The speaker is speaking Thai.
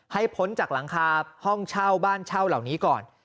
พ้นจากหลังคาห้องเช่าบ้านเช่าเหล่านี้ก่อน